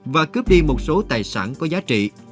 và cướp đi một số tài sản có giá trị